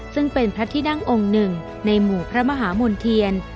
ซึ่งเป็นพระที่นั่งองค์หนึ่งในหมู่พระมหามณ์เทียน